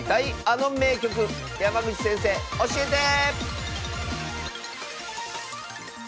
あの名局」山口先生教えて！